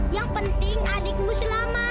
yang penting adikmu selamat